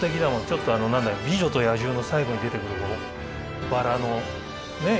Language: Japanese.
ちょっと「美女と野獣」の最後に出てくるバラのね